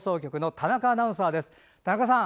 田中さん